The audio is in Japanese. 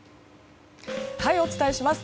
お伝えします。